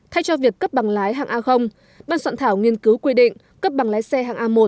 thay cho việc cấp bằng lái hàng a ban soạn thảo nghiên cứu quy định cấp bằng lái xe hàng a một